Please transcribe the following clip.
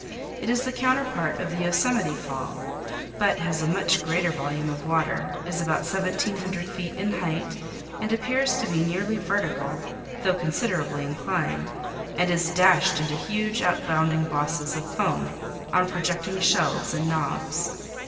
It is the counterpart of the Yosemite Fall, but has a much greater volume of water, is about 1700 feet in height, and appears to be nearly vertical, though considerably inclined, and is dashed into huge outbounding bosses of foam on projecting shelves and knobs.